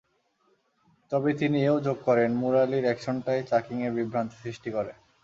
তবে তিনি এ-ও যোগ করেন, মুরালির অ্যাকশনটাই চাকিংয়ের বিভ্রান্তি সৃষ্টি করে।